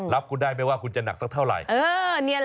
รับคุณได้ไหมว่าคุณจะหนักสักเท่าไหร่